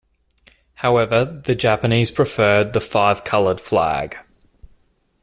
However, the Japanese preferred the Five-Colored flag.